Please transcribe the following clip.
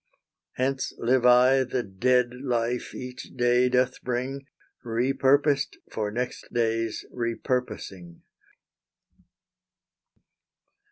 Hence live I the dead life each day doth bring, Repurposed for next day's repurposing.